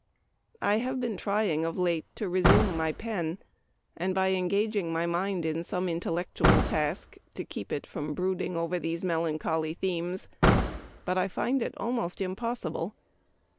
I have been try ing, of late, to resume my pen, and, by engaging my mind in some intellectual task, to keep it from brooding over these melancholy themes, but I find it almost impossible.